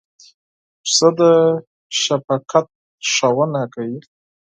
پسه د شفقت ښوونه کوي.